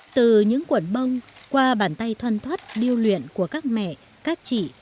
từ những cuộn bông qua bàn tay thoăn thoát điêu luyện của các mẹ các chị